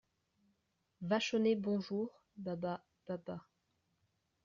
Vachonnet Bonjour, Baba … baba …